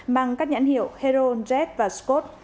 mang các nhãn hiệu hero jet và scott